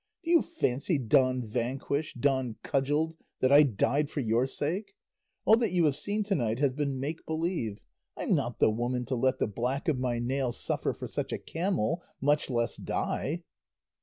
Do you fancy, Don Vanquished, Don Cudgelled, that I died for your sake? All that you have seen to night has been make believe; I'm not the woman to let the black of my nail suffer for such a camel, much less die!"